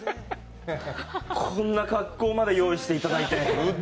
こんな格好まで用意していただいて。